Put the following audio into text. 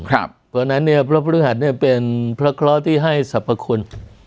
เพราะฉะนั้นเนี่ยพระพฤหัสเป็นพระเคราะห์ที่ให้สรรพคุณ